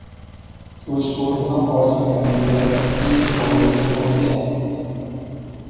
Sua esposa não pode ficar de pé e escolhe se divorciar